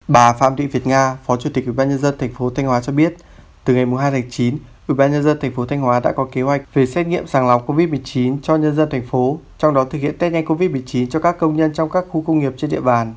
bà phạm thị việt nga phó chủ tịch ubnd tp thanh hóa cho biết từ ngày hai tháng chín ubnd tp thanh hóa đã có kế hoạch về xét nghiệm sàng lọc covid một mươi chín cho nhân dân thành phố trong đó thực hiện tết nhanh covid một mươi chín cho các công nhân trong các khu công nghiệp trên địa bàn